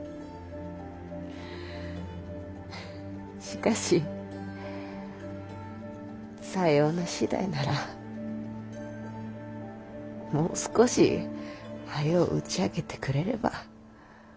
しかしさような次第ならもう少しはよう打ち明けてくれれば。